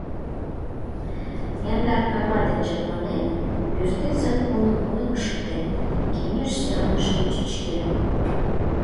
Яндар кава ден чапланен, Пӱртӱс законым лыҥ шуктен, Кеҥеж сӱаныште чӱчкен.